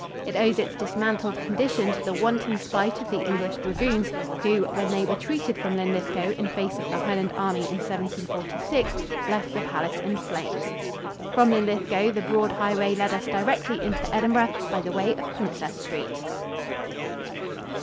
It owes its dismantled condition to the wanton spite of the English dragoons, who, when they retreated from Linlithgow in face of the Highland army in 1746, left the palace in flames. From Linlithgow the broad highway led us directly into Edinburgh by the way of Princess Street.